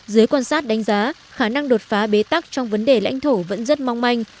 giới quan sát đánh giá khả năng đột phá bế tắc trong vấn đề lãnh thổ vẫn rất mong manh